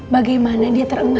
bagaimana dia terangkat